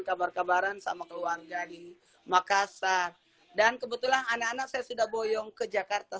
kabar kabaran sama keluarga di makassar dan kebetulan anak anak saya sudah boyong ke jakarta